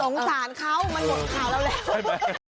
สงสารเขามันหมดข่าวเราแล้ว